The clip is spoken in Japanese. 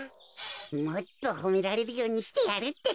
もっとほめられるようにしてやるってか。